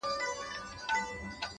o ولي مي هره شېبه هر ساعت پر اور کړوې،